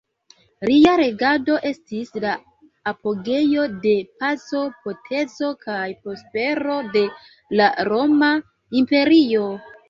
Lia regado estis la apogeo de paco potenco kaj prospero de la Roma imperio.